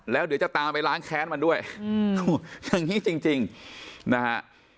แล้วเดี๋ยวจะตามไปล้างแค้นมันด้วยอย่างนี้จริงนะฮะ